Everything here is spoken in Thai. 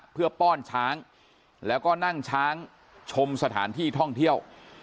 เพื่อป้อนช้างแล้วก็นั่งช้างชมสถานที่ท่องเที่ยว